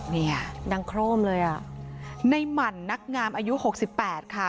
เนี่ยดังโครมเลยอ่ะในหมั่นนักงามอายุหกสิบแปดค่ะ